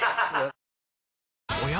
おや？